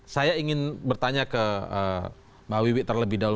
saya ingin bertanya ke mbak wiwi terlebih dahulu